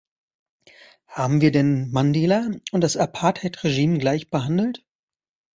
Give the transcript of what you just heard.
Haben wir denn Mandela und das Apartheidregime gleich behandelt?